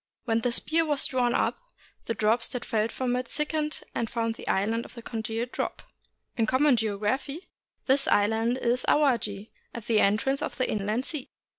When the spear was drawn up, the drops that fell from it thick ened and formed the Island of the Congealed Drop. In common geography, this island is Awaji, at the entrance of the Inland Sea.